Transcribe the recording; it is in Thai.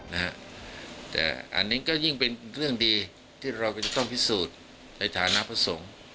แต่อันนี้ก็ยิ่งเป็นเรื่องดีที่เราก็จะต้องพิสูจน์ในฐานะพระสงฆ์